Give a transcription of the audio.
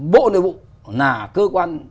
bộ nội vụ là cơ quan